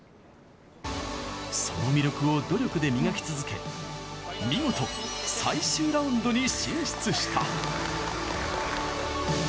その魅力を努力で磨き続け見事最終ラウンドに進出した。